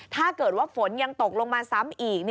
ถ้าเกิดว่าฝนยังตกลงมาซ้ำอีก